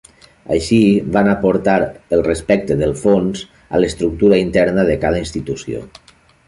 Així van aportar el respecte dels fons a l'estructura interna de cada institució.